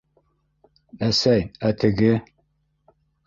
Әсәй, ә теге...